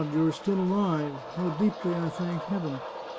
you are still alive ! How deeply I thank Heaven